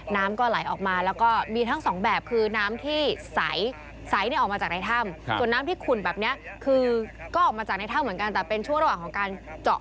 น้ำก็ไหลออกมา